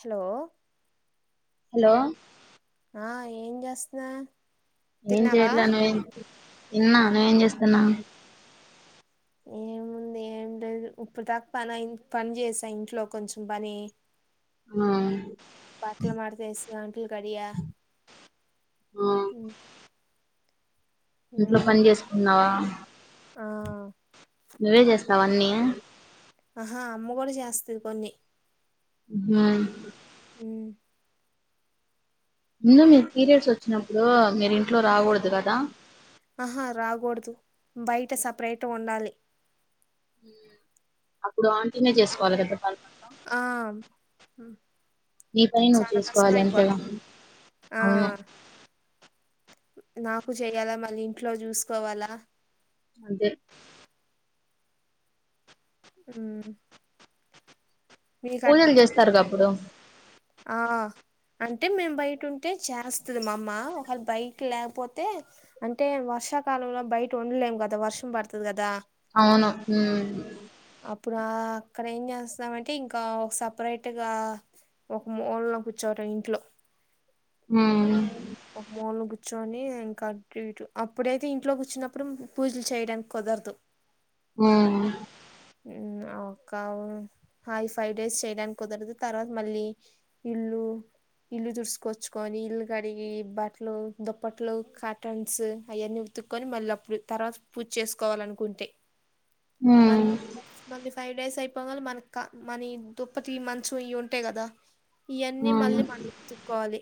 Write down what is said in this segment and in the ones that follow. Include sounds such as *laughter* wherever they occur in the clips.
Hello hello ఆ ఏం జేస్త్నా ఏం జెయట్లా నువ్వేం తిన్నా నువ్వేం జేస్తున్నా ఏ ముందు ఏం దు ఇప్పుడు దాకా పని పని చేసా ఇంట్లో కొంచెం పని ఆ బట్లు మడతేస్తాంటి గడియా ఆ అ ఇంట్లో పని చేసుకున్నావా ఆ నువ్వే చేస్తావ అన్నీ ఆహా అమ్మ కూడా చేస్తది కొన్ని హ ఉ ముందు మీ పీరియడ్స్ వచ్చినప్పుడు మీరు ఇంట్లో రాకూడదు కదా ఆహా రాకూడదు బయట సపరేట్ గ ఉండాలి అప్పుడు ఆంటీనే చేసుకోవాలి కద ఆ నీ పని నువ్వు చాలా కష్టం చేసుకోవాలి అంతేగా అయిపోతుంది ఆ అవును నాకు చెయ్యాలా మళ్ళీ ఇంట్లో చూసుకోవాలా అంతే ఊ పూజలు చేస్తారు కాప్పుడు ఆ అంటే మేము బయట ఉంటే చేస్తది మా అమ్మ ఒకళ బయట లేకపోతే అంటే వర్షాకాలంలో బయట ఉండలేము కదా వర్షం పడుతది కదా అవును ఉమ్ అప్పుడు ఆ అక్కడ ఏం చేస్తామంటే ఇంకా ఒక సపరేట్గా ఒక మూలన కూర్చోవట ఇంట్లో హూ కూర్చుని ఇంకా అటు ఇటు అప్పుడైతే ఇంట్లో కూర్చునప్పుడు పూజలు చేయడానికి కుదరదు ఊ ఒక హా ఫైవ్ డేస్ చేయడానికి కుదరదు తర్వాత మళ్ళీ ఇల్లు ఇల్లు తుడుసుకచ్చుకొని ఇల్ గడిగి బట్లు దుప్పట్లు కాటన్స్ అయన్నీ ఉతుక్కోని మళ్ళీ అప్పుడు తర్వాత పూ చేసుకోవాలనుకుంటే మన్ ఉమ్ ఫైవ్ డేస్ అయిపోగాల మన మన దుప్పతి మంచం ఇవి ఉంటాయి కదా ఇయన్నీ ఉమ్. మళ్ళీ మట్ంచకోవాలి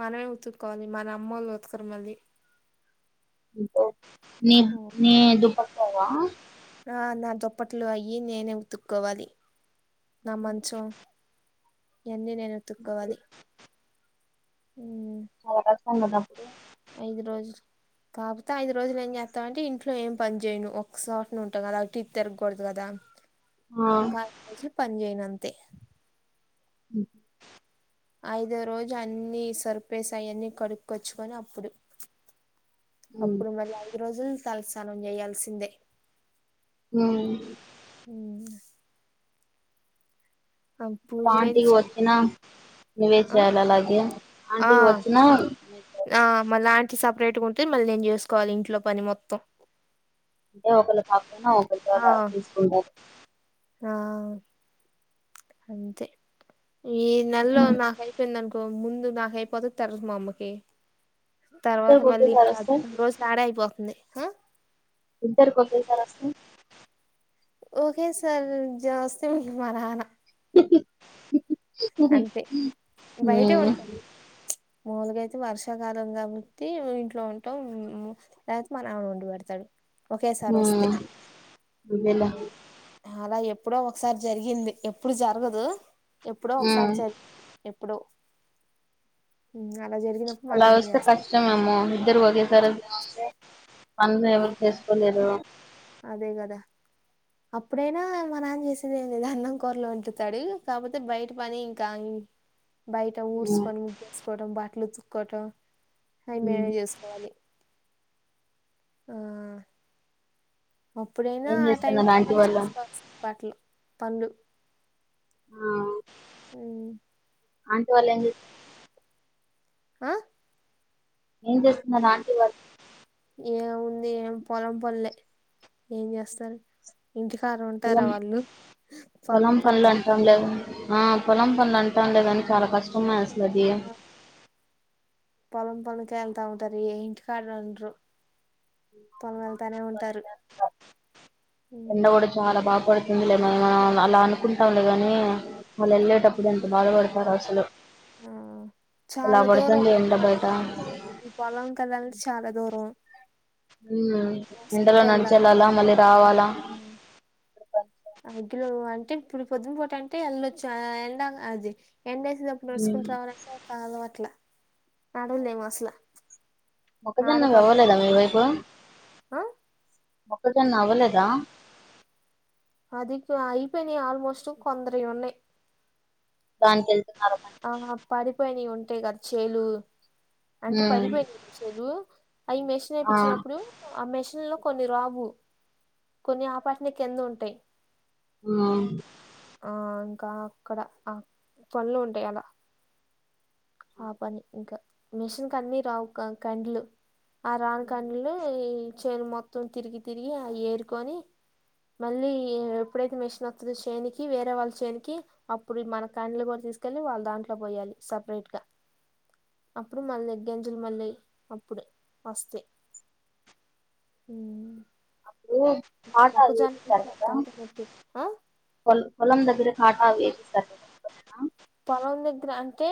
మనమే ఉతుక్కోవాలి మన అమ్మ వాళ్ళు ఉతకర మళ్ళీ నీ నీ దుపట్టవా ఆ నా దుప్పట్లు అయి నేనే ఉతుక్కోవాలి నా ఉమ్, మంచం ఎన్ని అప్పుడు నేనుతుక్కోవాలి అసప్పుడి ఐదు రోజులు కాకపోతే ఐదు రోజులు ఏం చేత్తామ అంటే ఇంట్లో ఏం పని జేయను ఒక్కసోటిన ఉంటాం కదా అటు ఇటు తిరగకూడదు కదా ఆ గీ పనీజెయను అంతె ఉ ఐదో రోజు అన్ని సరిపేసయన్నీ కడుక్కొచ్చుకొని అప్పుడు హ్మ్ అప్పుడు మళ్ళి ఐదు రోజులు తలస్నానం చేయాల్సిందే హూ అ పూజలు అయితే ఆంటికి చేయ వచ్చిన నువే ఆ చేయాలి అలాగే ఆ ఆంటికి వచ్చినా ఆ, మళ్ళీ ఆంటీ సపరేట్గా ఉంటే మళ్ళీ నేను చేసుకోవాలి ఇంట్లో పని మొత్తం అంటే ఒకరు కాకపోయినా ఒకరితో ఆ అలా తీసుకుంటారు ఆ అంతే ఈ నెల్లో ఉమ్. నాకు అయిపోయింది అనుకో సో ముందు నా కైపోత తరువాత మా అమ్మకి తర్వాత ఇద్దరికి మళ్ళీ ఒకేసారి కాదు వస్తే రోజు తడే అయిపోతుంది ఇద్దరుకి ఒకటేసారి వస్తే ఓకే సార్ జాస్తతి మీ మరానా అంతే ఆ మామూలుగాయితే వర్షాకాలం కాబట్టి ఇంట్లో ఉంటాం లేకపోతే మన ఆడ వండి పెడతాడు ఒకేసారి వస్తే ఇలా అలా ఎప్పుడో ఒకసారి జరిగింది ఎప్పుడు జరగదు ఎప్పుడో ఒకసారి హ్మ్ జరి ఎప్పుడో అలా జరిగినప్పుడు మా అలా నాన్న వస్తే చేస్తా కష్టమేమో ఇద్దరు ఒగేసారు పనులు ఆ ఎవరు చేసుకోలేరు అదే కదా అప్పుడైనా మనాన్న చేసిందిది అన్నం కూరలు వంటుతాడు కాకపోతే బయట పని ఇంకా బయట హ్మ్ ఊడ్చుకనిసుకోవడం బట్టలు ఉతుక్కట అవి హ్మ్ మేమే చేసుకోవాలి ఆ అప్పుడైనా ఏం ఆ టైమ్ చేస్తున్నారు లో ఆంటీ కూడా వాళ్ళు చేసుకోవాల్సింది బట్లు పనులు ఆ ఉ ఆంటి వాళ్ళు ఏం చేస్ ఆ ఏం చేస్తున్నారు ఆంటి వారు ఏ ఉంది ఏం పొలం పనులే ఏం చేస్తాం ఇంటి కార ఉంటారా పొలం వాళ్ళు పలం పొలం పనులు పనికి అంటాం లేదు ఆ పొలం పనులు అంటాం లేదని చాలా కష్టమేస్ పొలం పని వెళ్తా ఉంటది ఏ ఇంటి కాడ ఉండ్రు ఉమ్ ఎండ కూడా చాలా బాగపడుతుందిలే మనం అలా అనుకుంటాంలే గాని వాళ్ళు వెళ్ళేటప్పుడు ఎంత బాధపడతారు అసలు ఆ ఇలా చాలా దూరం పడుతుంది ఎండ బయట పొలం కల్లాలు చాలా దూరం ఉ ఎండలో మోసుకుంటూ వెళ్ళాలి నడిచెళ్లాలా మళ్ళీ రావాలా ఇంట్లో అంటే ఇప్పుడు పొద్దునపూట అంటే ఎల్ళొచ్చ ఎండ అది ఎండ వేసింది అప్పుడు ఉమ్ నడుచుకుంట రావాలంటే కాదు అట్లా నడవులేమో అసల మొక్కజొన్న అవ్వలేదా మీవైపు ఆ మొక్కజొన్న అవ్వలేదా అది అయిపోయినై ఆల్మోస్ట్ కొందరయి ఉన్నయి దానకి ఎల్ ఆ పడిపోయినయి ఉంటాయి కదా చెలు అంటే ఉమ్ పడిపోయినా చెలు అయి మెషిన్ ఆ ఎపిచ్చినప్పుడు ఎమ్మెష్ లో కొన్ని రావు కొన్ని ఆ పాట్నే కింద ఉంటాయి ఉమ్ ఆ ఇంకా అక్కడ ఆ పన్లు ఉంటాయి అల ఆ పని ఇంక మిషిన్ కన్నీ రావ్ కండ్లు ఆ రాన్ కన్లు ఈ చేను మొత్తం తిరిగి తిరిగి ఆ ఏరుకొని మళ్ళీ ఎప్పుడైతే మిషన్ వస్తదో చేనికి వేరే వాళ్ళు చేనికి అప్పుడు మన కండ్లు కూ తీస్కెళ్లి వాళ్ దాంట్లో పోయాలి సపరేట్గ అప్పుడు *unintelligible* మళ్ళీ అప్పుడు ఓస్తయి హ్మ్ అప్పుడు *unintelligible* ఏపిసారు నాకు కదా తలకాయ నొప్పి ఆ పోల్ పొలం దగ్గర కాటాలు ఎపిస్తర్ పొలం దేగ్గిర అంటే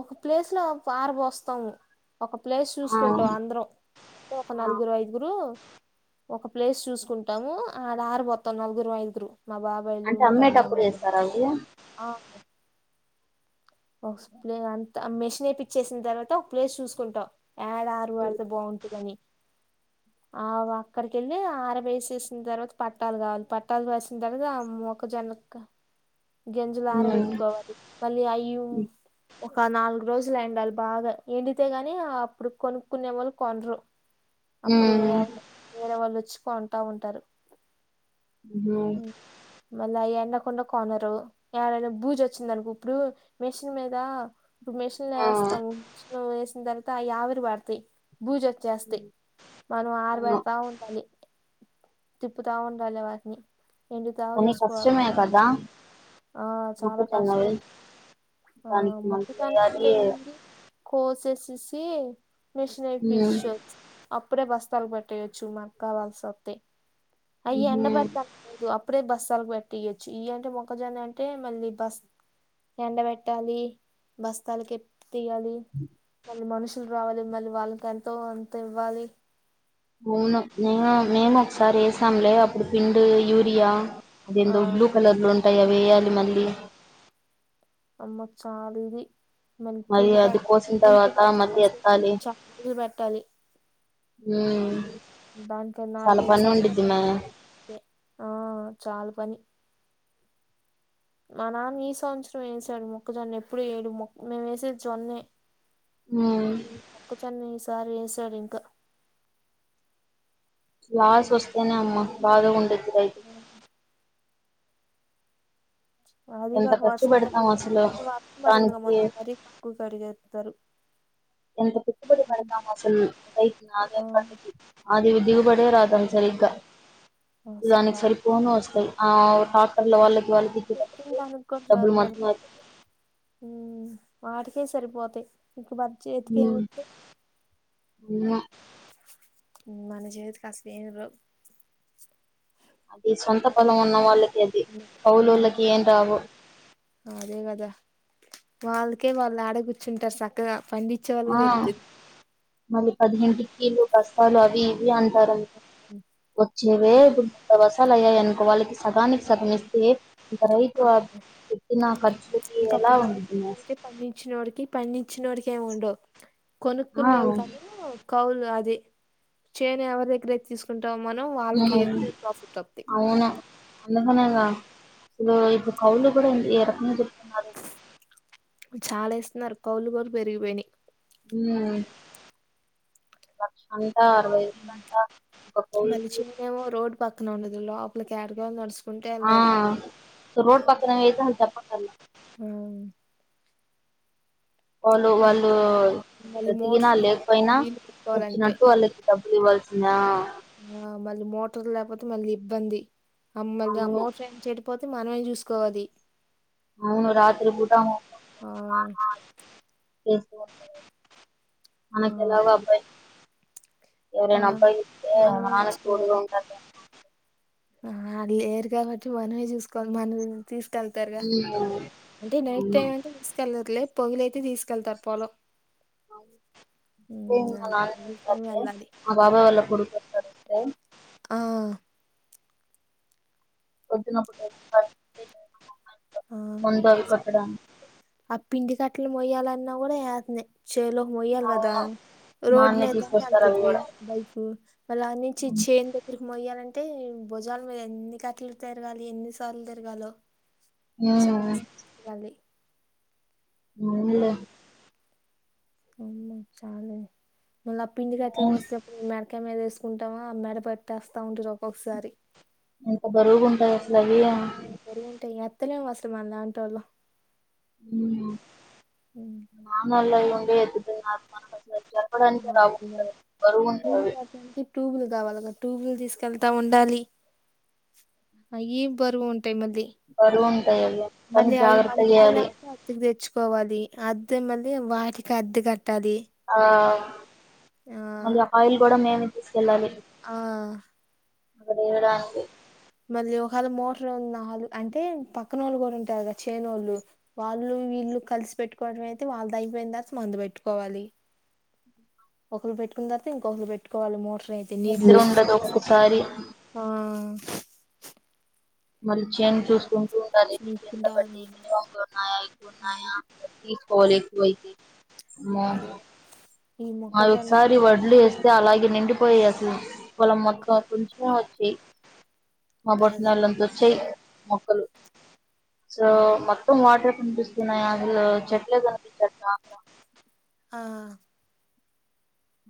ఒక ప్లేస్ లో పారబోస్థాము ఒక ప్లేస్ ఆ చూసుకుంటాం అందరం ఒక నలుగురు ఐదుగురు ఒక ప్లేస్ చూసుకుంటాము అద్ ఆర బొత్తం నలుగురు ఐదుగురు మా బాబాయిలు అంటే మా అమ్మేటప్పుడు పెద్దనాన్నలు ఎస్తార అవి *unintelligible* ఓస్ ప్లే అంతా మెషన్ ఏపిచ్చేసిన తర్వాత ఒక ప్లేస్ చూసుకుంటాం యాడ ఆరు పెడితే బాగుంటుందని ఆ అక్కడికెళ్ళి ఆరబేసేసిన తర్వాత పట్టాలు కావాలి పట్టాలు కాసిన తర్వాత ఆ మొక్క జోనక్క గింజలు ఉమ్ ఆరబెట్టుకోవాలి మళ్ళీ అయ్యూ ఒక నాలుగు రోజులు ఎండాలి బాగ ఏండితే గాని ఆ అప్పుడు కొనుక్కునే వాళ్ళు కొంరూ అప్పుడు ఎవ ఉమ్ వేరే వాళ్ళు ఓచ్చి కొంటా ఉంటారు అ మళ్ళ ఆ ఎండకున్న కొనరు ఎడైన బూజ్ వచ్చిందనుకో ఇప్పుడు మెషిన్ మీద మెషిన్ లో ఆ యాస్తము ఎసిన్ తర్వాత యావిరి పడతాయి బుజ్ ఓచ్చేస్తే మనం అవును ఆరబెడతా ఉండాలి తిప్పుతా ఉండాలి వాట్ని ఎండుథా కానీ కష్టమే చూసుకోవాలి కదా ఆ చాల మొక్కజొన్నవి కష్టం ఆ దానికి మొక్క మందులు జొన్న వేయాలి అంటే ఏంటి కోసేసేసి మిచిన్ ఉమ్ *unintelligible* అప్పుడే బస్తాలు పెట్టేయొచ్చు మనకు కావాల్సి వస్తే అయ ఉహూ ఎండబెడ్ అప్పుడే బస్తాల్ పెట్టే యొచ్చు ఇ అంటే మొక్కజోన్న అంటే మళ్ళీ బస్ ఎండ పెట్టాలి బస్తాలకి తీయాలి మళ్ళీ మనుషుల్ రావాలి మళ్ళీ వాళ్ళకి ఎంతో అంత ఇవ్వాలి అవును మేము మేము ఒకసారి వేసాంలే అప్పుడు పిండు యూరియా ఆ దెందూ బ్లూ కలర్లో ఉంటాయి అవి వేయాలి మళ్ళీ అమ్మ చాల్ ఇది మన మరి పిండి అది కోసిన కాసి తర్వాత మళ్ళీ *unintelligible* చాలు పెట్టాలి హ్మ్ దానికి చాల నాలుగైదు పని సార్లు వుండిద్దీ మ్యా పెట్టాలి ఆ చాల పని మా నాన్న ఈ సంవత్సరం వేసాడు మొక్కజొన్న ఎప్పుడు వేయడు మోక్ మేం వేసేది జొన్నే హ్మ్ చెన్ ఎసార్ ఎసార్ ఇంక లాస్ వస్తేనే అమ్మ బాద ఉం ఆ ఎంత అదిగాక ఖర్చు వర్షం పెడతాం అసలు *inaudible* దానికి ఎంత పెట్టుబడి పెడతామసలు రైతు ఆ *inaudible* ఆది దిగుబడే రా సరిగ్గా అసలు దానికి రా సరిపోను వస్తాయి ఆ ట్రాక్టర్ల వాళ్ళకి వాళ్ళకి ఇచ్చేటప్పటికి డబ్బులు *inaudible* మొత్తం అయిపోతాయి ఉమ్ వాటి కె సరిపోతయ్ ఇంక మన్ చేతికి ఏమిం ఉమ్ మన చేతికసల్ ఏమ్ రావ్ అది సొంత పొలం ఉన్న పాడేసింది. వాళ్ళకి అది ఆ కౌలోళ్లకి ఏం రావు అదే గదా వాళ్ళకే వాళ్ళడె కూర్చుంటారు సక్కగా ఆ మళ్ళి పదిహింటికీలు బస్తాలు అవి ఇవి అంటారం వచ్చేవే *inaudible* బసాలయ్యాయనుకో వాళ్ళకి సగానికి సగమిస్తే ఖర్చులకి ఎలా ఇంకాప్పుడు ఉండిద్ది మేస్ పండించినోడికి పండించ్ ఉన్నోడికేం ఉండవ్ ఆ కొనుక్కునేళ్ళు ఉమ్ కాను కౌలు అది చేన్ ఎవరి దగ్గరైతే తిసుకుం మనం వాళ్ళకి ఎక్కువ్ ప్రాఫిట్ అవుద్ది అవును అందుకనేగా అసలు ఇప్పుడు కౌళ్ళు కూడా ఏ రకంగా చెప్తున్నారు చాలెస్తున్నారు కౌళ్లుకొరు పెరిగిపోయినయ్ ఉమ్ లక్ష అంట అరవై వేయిలంట మళ్ళీ చిన్నేమో రోడ్ పక్కన ఉండదు లోపలికి ఏడగా నడుస్ ఆ సో రోడ్ పక్కన దైతే చెప్పక్కర్ల ఉమ్ వాళ్ళు వాళ్ళు మళ్ళీ బ్రతికిినా మోటార్లు లేకపోయినా నీళ్ళు పెట్టుకోవాలంటే చచ్చినట్టు వాళ్ళకి డబ్బులు ఇవ్వాల్సి నా ఆ మళ్ళీ మోటర్ లేకపోతే మళ్ళీ ఇబ్బంది మళ్ళీ ఆ అవును మోటర్ ఏం చెడి పోతే మనమే చూసుకోవాలి అవును రాత్రి పూట మా ఆ నాన్న చేస్తూ మనకు ఆ ఎలాగు అబ్బాయ్ ఆ ఎవరైనా అబ్బాయిలుంటే మా మనమే నానకి తోడుగా చూసుకోవాలి ఉంటారు ఆ లేరు కాబట్టి మనమే చూసుకోవాలి మనదు తీసుకెళ్తారుగా అంటే నైట్ టైం మా అంటే తీసుకెళ్లర్లే పొగల తె తీసుకెళ్తారు పోలం సెమ్ మా పొగిలి నాన్న టైం వెళ్ళాలి మా బాబాయ్ వాళ్ళ కొడుకస్తాడు తె ఆ పొదునప్పుట ఆ మందు అవి కొట్టడానికి ఆ పిండి కట్టలు మొయ్యాలన్నా కూడా యాత్నె చేలోకి మొయ్యాలి కదా నాన్న రోడ్ నాన్నే తీసుకొస్తారు అవి మీదనంతద్వి కూడా బైకు మళ్ళంనుంచి ఉమ్. చేన్ దగ్గర మొయ్యాలంటే భుజాల మీద ఎన్ని కట్టలు తిరగాలి ఎన్ని సార్లు తిరగాలో చాలా సెప్ తిరగలి మాములే ఉమ్ చాలె మల్లాపిండి కట్టల్ మోసే టప్పుడు మెడ్ క్కయ్ మీద ఎసుకుంటాము ఆ మెడ పట్టెస్తా ఉంటది ఒక్కొక్కసారి ఎంత బరువుగుంటది అసల్ అది తెలియదు ఫస్ట్ మనలాంటోళ్ళు. ఉమ్ మనోళ్ళవి ఉండే ఎత్తున్నా మన పెసలు అవునా అవి *unintelligible* ట్యూబ్లు కావాలిగా ట్యూబ్లు తీసుకెళ్తా ఉండాలి అయి బరువు ఉం. టైమది బరువు ఉంటాయి అవి మ కానీ అయి మన జాగ్రత్త ఇంట్లో చేయాలి లాక *unintelligible* తెచ్చు. కోవాలి అద్దె మళ్ళీ వాటికి అద్దె కట్టాలి. ఆహ్ మళ్ళీ ఆయిల్ కూడా నేనే. ఆహ్. ఏడాంది. మళ్ళీ ఒకవేళ మోటర్ ఉన్నళ్ళు అంటే పక్కన వాళ్ళు కూడా ఉంటారు కదా చేనోళ్ళు వాళ్ళు. వీళ్ళు కలిసి పెట్టుకోవడం అయితే వాళ్ళదైపోయిన్దాక తర్వాత మన్ది పెట్టుకోవాలి. ఒకరు పెట్టుకున్న తర్వాత ఇంకొకరు పెట్టుకోవాలి మోటారు. అయితే నిద్ర నీళ్లు ఉండదు ఒక్కొక్కసారి ఆహ్ మళ్ళీ చేన్ చూసుకుంటూ ఉండాలి ఇంకెంత తీసుకుంటాను కడ్డీ ఉన్నారు ఉన్నాయా ఎక్కువ ఉన్నాయా తీసుకోవాలి. పోయింది మో. అదే ఈ మావి మొక్కజొన్న ఒకసారి ఎక్కువ వడ్లేస్తే అలాగే నిండిపోయి అసలు. కోల మొత్తం కొంచెమే వచ్చి. నా పెద్దగా బొటనవేలు అంతా వచ్చాయి మొక్కలు. సో ఆ మొత్తం వాటరే కనిపిస్తున్నాయి అసలు చెట్లే కనిపించట్లే. ఆహ్.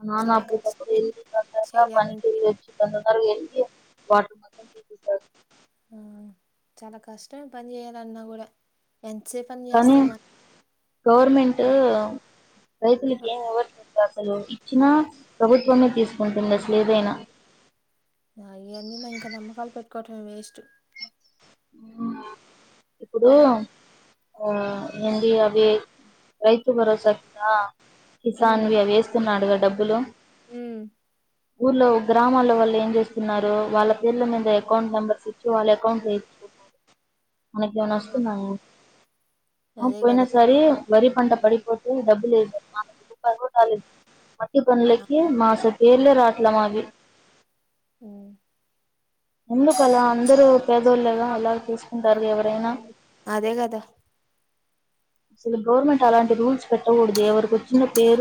నాన్న అప్పుడిదప్పుడు ఎళ్ంది తొందరగా పనికి చెయ్యాలంటే వెలోచ్చి తొందరగా రెడీ అయ్యి. వాటర్ మొత్తం తీపిస్తాడు. ఉమ్ చాలా కష్టం ఈ పని చేయాలన్నా కూడా. ఎంతసేపు పని కానీ చేస్తాం మనం గవర్నమెంట్. రైతులకు ఏమి ఇవ్వట్లేదు అసలు. వచ్చినా ప్రభుత్వమే తీసుకుంటుంది అసలేదైనా. ఆహ్ ఇవన్నీ ఇంకా నమ్మకాలు పెట్టుకోవట్ లేదు వేస్ట్. ఉమ్ ఇప్పుడు ఆహ్. ఏంది అది రైతు భరోసా ఉందా. ఉమ్ కిసాన్వి అవేస్తున్నాడుగా డబ్బులు. హ్మ్ ఊళ్ళో గ్రామాల వాళ్ళు ఏం చేస్తున్నారు వాళ్ళ పేర్ల మీద అకౌంట్ నెంబర్స్ ఇచ్చి వాళ్ళ అకౌంట్ లో. మనకి ఇట్లా ఆ నష్టమై అదే పోయినా కదా సరీ వరి పంట పడి. డబ్బులు లేమాన రపాయాలదు మట్టి పనులకి మాస పేర్లే రాయలే. ఇలమాది. ఉమ్. ఎందుకలా అందరు పేదోళ్ళేగా ఎలాగ చూసుకుంటారు ఎవరైనా. అదే కదా. అసలు గవర్నమెంట్ అలాంటి రూల్స్ పెట్టకూడదు ఎవరికి వచ్చిన పేరు.